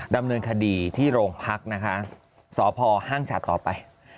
ดำเนินคดีที่โรงพักนะคะสพห้างฉาดต่อไป